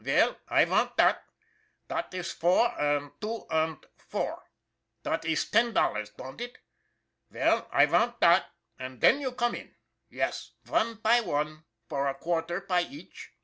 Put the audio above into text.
Veil, I vant dot. Dot iss four und two and four. Dot iss ten dollars don'd it? Veil, I vant dot, und den you come in yess, one py one for a quarter py each."